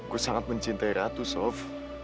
gue sangat mencintai ratu sof